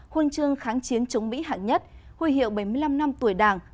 huân chương kháng chiến chống mỹ hạng nhất huy hiệu bảy mươi năm năm tuổi đảng